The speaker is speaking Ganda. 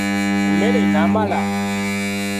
Emmere enaamala?